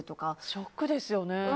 ショックですよね。